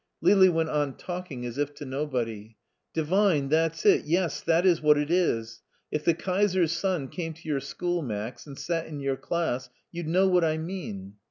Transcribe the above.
Lili went on talking, as if to nobody. "Divine, that's it; yes, that is what it is. If the Kaiser's son came to your school, Max, and sat in your class, you'd know what I mean."